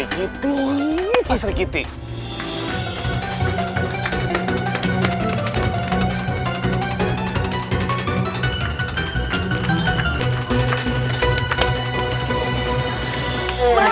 kita kehilangan jejak